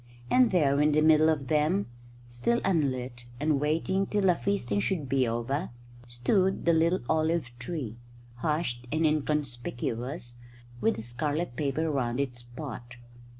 And there, in the middle of them, still unlit and waiting till the feasting should be over, stood the little olive tree, hushed and inconspicuous, with the scarlet paper round its pot.